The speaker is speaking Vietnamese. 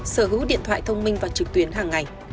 sở hữu điện thoại thông minh và trực tuyến hàng ngày